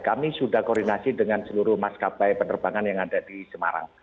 kami sudah koordinasi dengan seluruh maskapai penerbangan yang ada di semarang